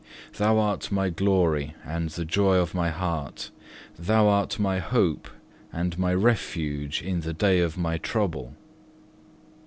Thou art my glory and the joy of my heart. Thou art my hope and my refuge in the day of my trouble.